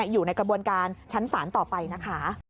อยู่ในกระบวนการชั้นศาลต่อไปนะคะ